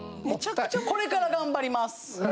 これから頑張ります。